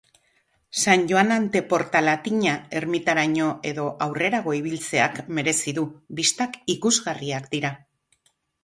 San Joan Ante Portalatiña ermitaraino edo aurrerago ibiltzeak merezi du, bistak ikusgarriak dira.